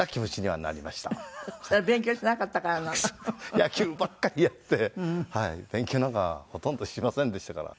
野球ばっかりやって勉強なんかほとんどしませんでしたから。